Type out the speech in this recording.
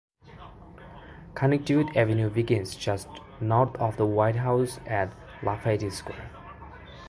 Connecticut Avenue begins just north of the White House at Lafayette Square.